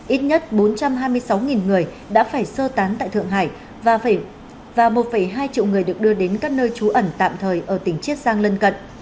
ít nhất bốn trăm hai mươi sáu người đã phải sơ tán tại thượng hải và một hai triệu người được đưa đến các nơi trú ẩn tạm thời ở tỉnh chiết giang lân cận